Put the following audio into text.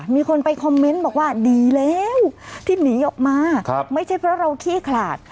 มีคนไปคอมเมนต์บอกว่าดีแล้วที่หนีออกมาไม่ใช่เพราะเราขี้ขลาด